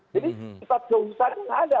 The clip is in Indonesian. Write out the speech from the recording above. jadi sifat keusahaan itu tidak ada